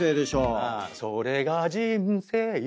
「それが人生」